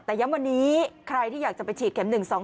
แต่ย้ำวันนี้ใครที่อยากจะไปฉีดเข็ม๑๒